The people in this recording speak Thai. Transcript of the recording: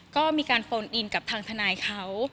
ก็มีการโฟนอินกับทางทนายเขา